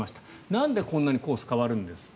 なんでこんなにコースが変わるんですか。